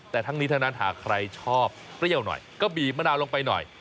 แต่ทั้งนี้ทั้งนั้นหากใครชอบเปรี้ยวหน่อยก็บีบมะนาวลงไปหน่อย